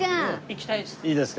行きたいです。